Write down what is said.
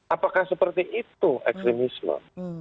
apakah seperti itu ekstremisme